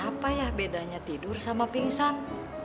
apa ya bedanya tidur sama pingsan